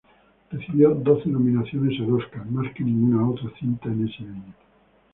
Recibió doce nominaciones al Óscar, más que ninguna otra cinta en ese año.